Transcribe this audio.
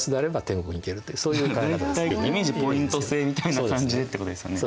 イメージポイント制みたいな感じでってことですよね。